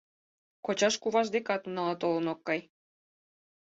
Кочаж-куваж декат унала толын ок кай.